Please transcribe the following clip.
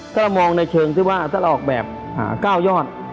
ก็มองในเชิงที่ว่าถ้าเราออกแบบ๙ยอด